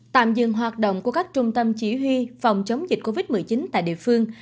tạm dừng hoạt động của các trung tâm chỉ huy phòng chống dịch covid một mươi chín tại địa phương